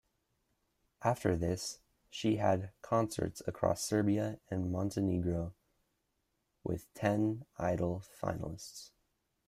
After this, she had concerts across Serbia and Montenegro with ten "Idol" finalists.